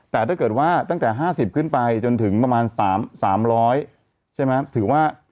แต่ถ้าเกิดว่าตั้งแต่ห้าสิบขึ้นไปจนถึงประมาณสามสามร้อยใช่ไหมถือว่า